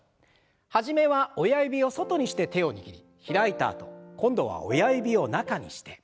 始めは親指を外にして手を握り開いたあと今度は親指を中にして。